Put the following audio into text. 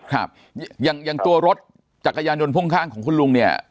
ครับอย่างตัวรถจากอาญาโดนพ่มข้างของคุณลุงเนี่ย